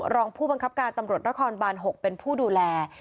รองผู้บังคับการตำรวจนครบาน๖เป็นผู้ดูแล